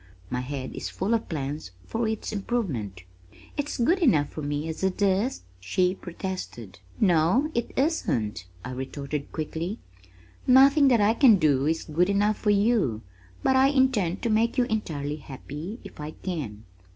My head is full of plans for its improvement." "It's good enough for me as it is," she protested. "No, it isn't," I retorted quickly. "Nothing that I can do is good enough for you, but I intend to make you entirely happy if I can."